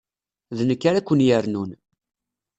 D nekk ara ken-yernun.